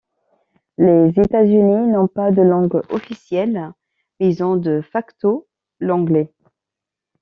Les États-Unis n'ont pas de langues officielles, mais ils ont de facto l'anglais.